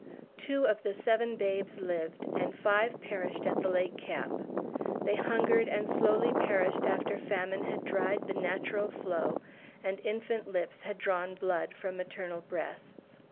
Two of the seven babes lived, and five perished at the Lake Camp. They hungered and slowly perished after famine had dried the natural flow, and infant lips had drawn blood from maternal breasts.